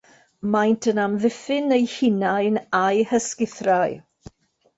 Maent yn amddiffyn eu hunain â'u hysgithrau.